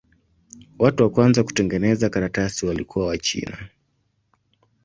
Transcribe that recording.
Watu wa kwanza kutengeneza karatasi walikuwa Wachina.